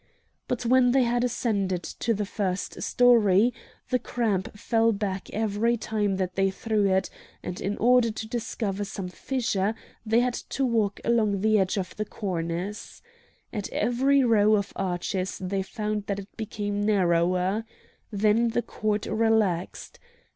But when they had ascended to the first story the cramp fell back every time that they threw it, and in order to discover some fissure they had to walk along the edge of the cornice. At every row of arches they found that it became narrower. Then the cord relaxed.